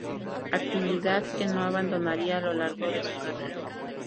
Actividad que no abandonaría a lo largo de su carrera.